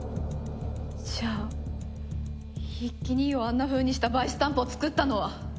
じゃあ一輝兄をあんなふうにしたバイスタンプを作ったのは。